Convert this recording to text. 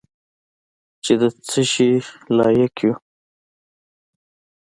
چې د څه شي لایق یو .